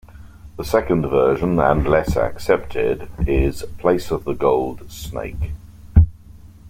The second version and less accepted is "place of the gold snake".